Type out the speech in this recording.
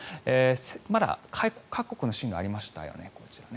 まだ各国の進路がありましたね。